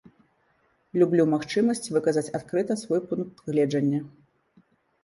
Люблю магчымасць выказаць адкрыта свой пункт гледжання.